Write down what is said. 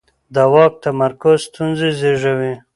د واک تمرکز ستونزې زېږوي